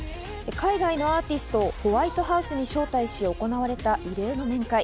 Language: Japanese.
海外のアーティストをホワイトハウスに招待し行われた異例の面会。